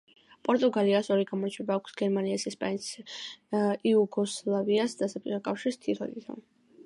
პორტუგალიას ორი გამარჯვება აქვს, გერმანიას, ესპანეთს, იუგოსლავიას და საბჭოთა კავშირს თითო-თითო.